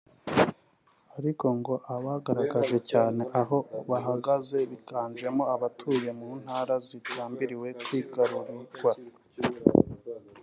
ariko ngo abagaragaje cyane aho bahagaze biganjemo abatuye mu Ntara zigambiriwe kwigarurirwa